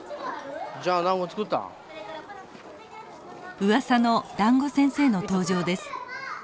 うわさのだんご先生の登場です。